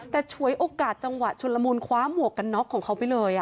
แต่ฉวยโอกาสจังหวะชนละมุนคว้าหมวกกันน็อกของเขาไปเลย